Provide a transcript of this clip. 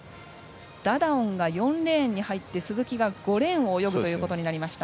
ダダオンが４レーンに入って鈴木が５レーンを泳ぐということになりました。